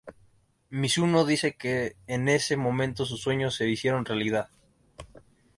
Mizuno dice que en ese momento sus sueños se hicieron realidad.